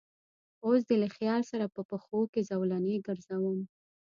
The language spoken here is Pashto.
اوس دې له خیال سره په پښو کې زولنې ګرځوم